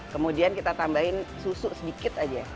kemudian kita tambahin susu sedikit aja